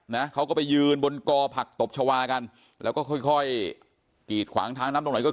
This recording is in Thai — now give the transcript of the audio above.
นะเขาก็ไปยืนบนกอผักตบชาวากันแล้วก็ค่อยค่อยกีดขวางทางน้ำตรงไหนก็